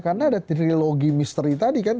karena ada trilogi misteri tadi kan